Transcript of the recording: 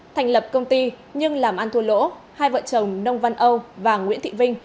thành lập công ty nhưng làm ăn thua lỗ hai vợ chồng nông văn âu và nguyễn thị vinh